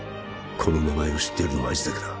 この名前を知っているのはあいつだけだ